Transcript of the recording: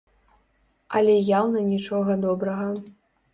Але яўна нічога добрага.